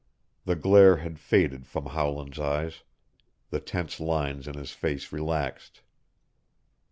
The glare had faded from Howland's eyes. The tense lines in his face relaxed.